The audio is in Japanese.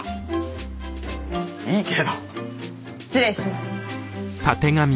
いいけど。失礼します。